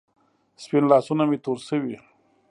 سپین لاسونه مې تور شوې